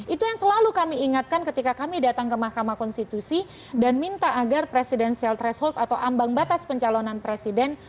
itu yang selalu kami ingatkan ketika kami datang ke mahkamah konstitusi dan minta agar presidensial threshold atau ambang batas pencalonan presiden